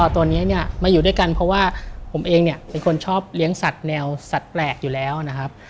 ตอนนี้เนี่ยมาอยู่ด้วยกันเพราะว่าผมเองเนี่ยเป็นคนชอบเลี้ยงสัตว์แนวสัตว์แปลกอยู่แล้วนะครับ